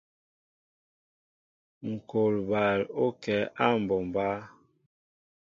Ŋkɔl bal ó kɛ á mɓombá.